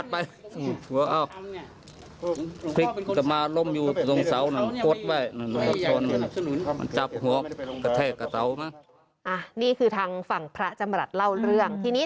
เธอบอกคือเธอสะบัดน้ำเฉยนะไม่ได้ไปตั้งใจบีบใส่